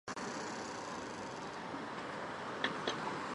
李白曾去拜访之而不遇。